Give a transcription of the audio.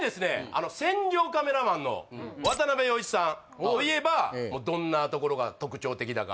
あの戦場カメラマンの渡部陽一さんといえばもうどんなところが特徴的だかねえ